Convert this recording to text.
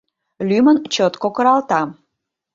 Лӱмын чот кокыралта.